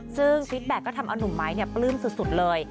ซึ่งฟิตแบ็คก็ทำเอานุ่มไม้ปลื้มสุดเลย